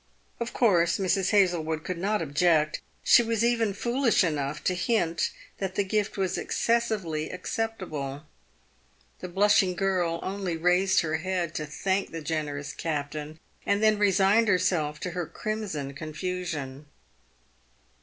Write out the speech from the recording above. Of course, Mrs. Hazlewood could not object. She was even foolish enough to hint that the gift was excessively accept able. The blushing girl only raised her head to thank the generous captain, and then resigned herself to her crimson confusion.